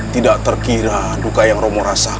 tidak terkira duka yang romo rasakan